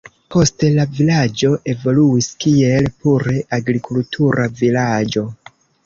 Poste la vilaĝo evoluis kiel pure agrikultura vilaĝo.